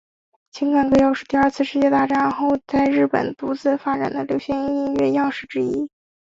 情感歌谣是第二次世界大战后在日本独自发展的流行音乐样式之一。